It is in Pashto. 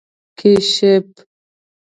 🐢 کېشپ